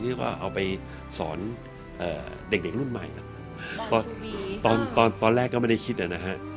ที่ก็เอาไปสอนเด็กรุ่นใหม่ตอนแรกก็ไม่ได้คิดเลยนะฮะ